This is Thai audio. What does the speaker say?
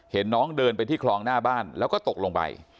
น้องเดินไปที่คลองหน้าบ้านแล้วก็ตกลงไป